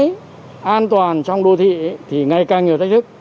cái an toàn trong đô thị thì ngày càng nhiều thách thức